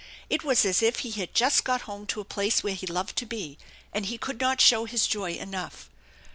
It was as if he had just got home to a place where he loved to be, and he could not show his joy enough.